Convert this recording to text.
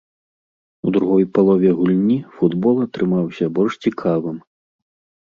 У другой палове гульні футбол атрымаўся больш цікавым.